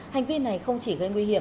hành vi này không chỉ gây nguy hiểm